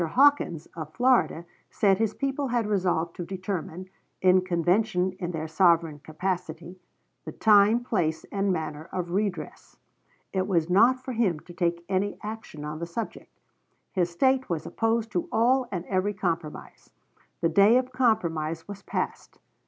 Hawkins, of Florida, said his people had resolved to determine, in convention in their sovereign capacity, the time, place, and manner of redress. It was not for him to take any action on the subject. His State was opposed to all and every compromise. The day of compromise was past. Mr.